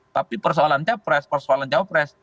tapi persoalan capres persoalan cawapres